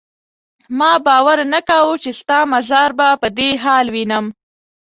ما باور نه کاوه چې ستا مزار به په دې حال وینم.